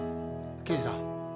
刑事さん。